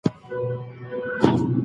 صبور سیاسنگ لخوا له ډاکټر صادق فطرت